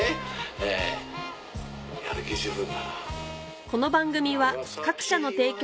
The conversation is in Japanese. ええやる気十分だな。